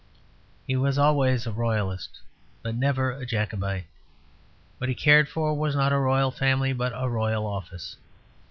He was always a Royalist, but never a Jacobite. What he cared for was not a royal family, but a royal office.